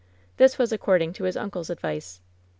This was according to his uncle's advice.